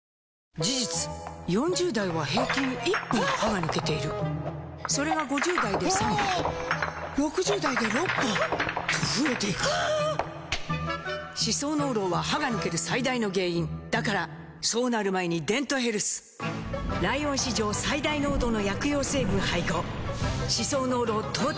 事実４０代は平均１本歯が抜けているそれが５０代で３本６０代で６本と増えていく歯槽膿漏は歯が抜ける最大の原因だからそうなる前に「デントヘルス」ライオン史上最大濃度の薬用成分配合歯槽膿漏トータルケア！